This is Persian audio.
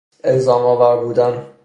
الزام آور بودن